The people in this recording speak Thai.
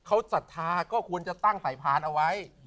เขาศรัทธาก็ควรจะตั้งสายพานเอาไว้